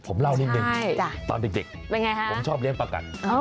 ผมเล่านิ่งตอนเด็กผมชอบเลี้ยงประกัดเป็นไงฮะ